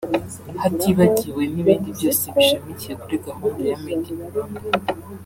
hatibagiwe n’ibindi byose bishamikiye kuri gahunda ya Made in Rwanda